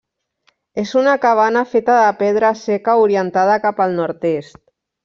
És una cabana feta de pedra seca orientada cap al nord-est.